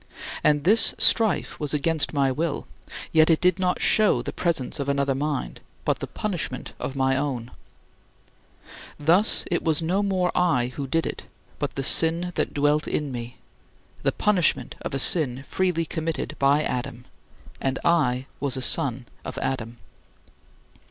And this strife was against my will; yet it did not show the presence of another mind, but the punishment of my own. Thus it was no more I who did it, but the sin that dwelt in me the punishment of a sin freely committed by Adam, and I was a son of Adam.